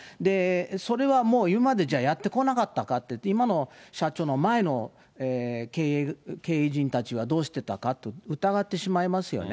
それはもう今までじゃあやってこなかったかって、今の社長の前の経営陣たちはどうしてたかと疑ってしまいますよね。